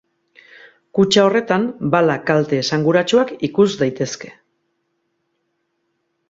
Kutxa horretan, bala kalte esanguratsuak ikus daitezke.